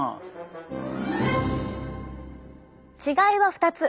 違いは２つ。